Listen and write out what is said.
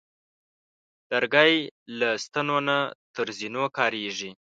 لرګی له ستنو نه تر زینو کارېږي.